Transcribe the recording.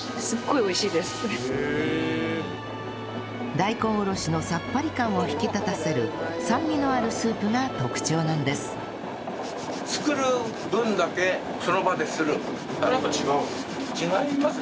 大根おろしのさっぱり感を引き立たせる酸味のあるスープが特徴なんですなんか違うんですか？